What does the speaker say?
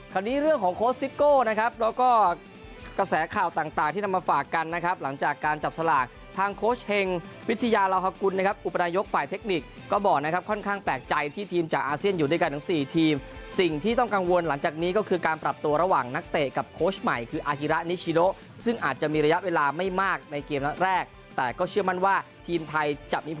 คราวนี้เรื่องของโค้ชซิกโก้นะครับแล้วก็กระแสข่าวต่างที่ทำมาฝากกันนะครับหลังจากการจับสลากทางโค้ชเฮงวิทยาลาฮกุลนะครับอุปนายกฝ่ายเทคนิคก็บอกนะครับค่อนข้างแปลกใจที่ทีมจากอาเซียนอยู่ด้วยกันทั้งสี่ทีมสิ่งที่ต้องกังวลหลังจากนี้ก็คือการปรับตัวระหว่างนักเตะกับโค้ชใหม่คืออาฮิ